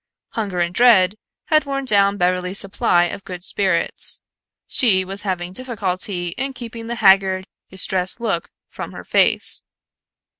Hunger and dread had worn down Beverly's supply of good spirits; she was having difficulty in keeping the haggard, distressed look from her face.